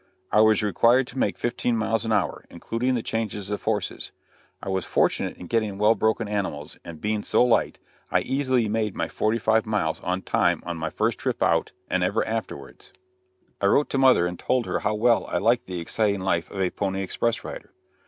I was required to make fifteen miles an hour, including the changes of horses. I was fortunate in getting well broken animals, and being so light, I easily made my forty five miles on time on my first trip out, and ever afterwards. I wrote to mother and told her how well I liked the exciting life of a pony express rider.